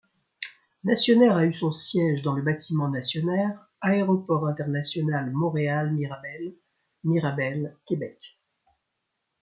Nationair a eu son siège dans le Bâtiment Nationair, Aéroport international Montréal-Mirabel, Mirabel, Québec.